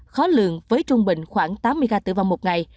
khó lường với trung bình khoảng tám mươi ca tử vong một ngày